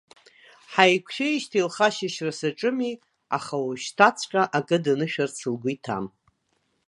Ҳааиқәшәеижьҭеи лхы ашьышьра саҿыми, аха ожәшьҭаҵәҟьа акы данышәарц лгәы иҭам.